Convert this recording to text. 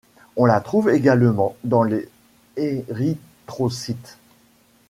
On la trouve également dans les érythrocytes.